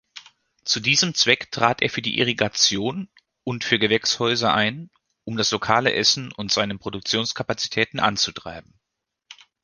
Zu diesem Zweck trat er für die Irrigation und für Gewächshäuser ein, um das lokale Essen und seine Produktionskapazitäten anzutreiben.